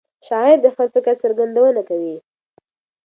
شاعر د خپل فکر څرګندونه کوي.